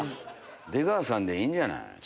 出川さんでいいんじゃない？